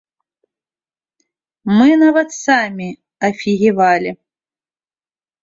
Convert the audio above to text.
Мы нават самі афігевалі.